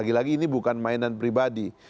lagi lagi ini bukan mainan pribadi